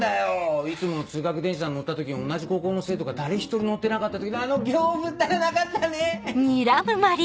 いつもの通学電車に乗った時同じ高校の生徒が誰一人乗ってなかった時のあの恐怖ったらなかったね！